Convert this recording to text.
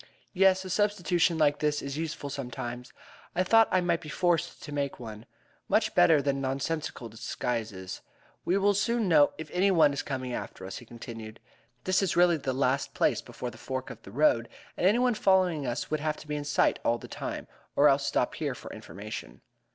"Yes, a substitution like this is useful sometimes. I thought I might be forced to make one. Much better than nonsensical disguises. We will soon know if any one is coming after us," he continued. "This is really the last place before the fork of the road, and anyone following us would have to be in sight all the time, or else stop here for information."